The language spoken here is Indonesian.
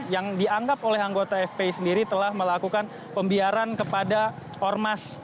yang dianggap oleh anggota fpi sendiri telah melakukan pembiaran kepada ormas